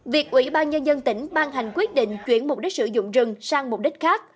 việc ubnd tỉnh ban hành quyết định chuyển mục đích sử dụng rừng sang mục đích khác